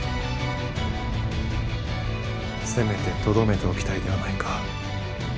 せめてとどめておきたいではないか。